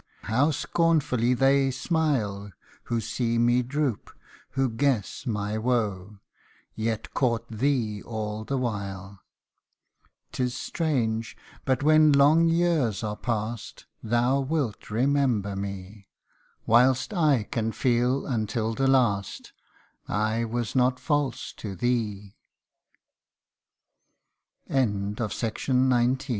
How scornfully they smile, Who see me droop, who guess my woe, Yet court thee all the while. 'Tis strange ! but when long years are past, Thou wilt remember me ; Whilst I can feel until the last, I was not fal